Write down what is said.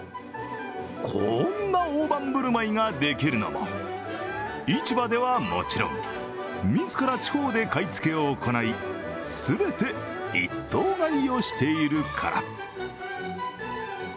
こんな大盤振る舞いができるのは、市場ではもちろん、自ら地方で買い付けを行い全て、一頭買いをしているから。